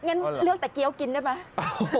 งั้นเลือกแต่เกี้ยวกินได้ไหม